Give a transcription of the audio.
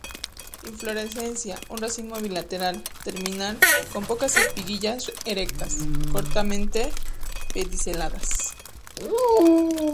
Inflorescencia un racimo bilateral, terminal, con pocas espiguillas erectas, cortamente pediceladas.